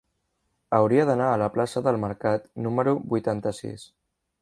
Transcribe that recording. Hauria d'anar a la plaça del Mercat número vuitanta-sis.